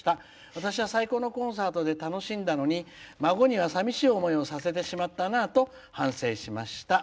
私は最高のコンサートで楽しんだのに孫にはさびしい思いをさせてしまったなと反省しました」。